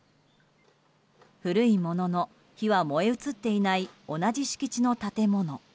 古いものの火は燃え移っていない同じ敷地の建物。